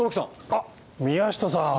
あっ宮下さん。